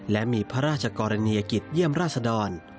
และมีพระราชกรณียกิจเยี่ยมราชดร